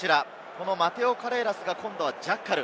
マテオ・カレーラスが今度はジャッカル。